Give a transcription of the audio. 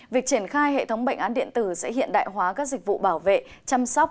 việc triển khai hệ thống bệnh án điện tử sẽ hiện đại hóa các dịch vụ bảo vệ chăm sóc